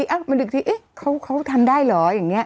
เอ้ะมันอีกทีเอ๊ะเขาทำได้เหรออย่างเนี้ย